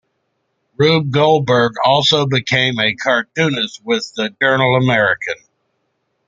Rube Goldberg also became a cartoonist with the "Journal-American".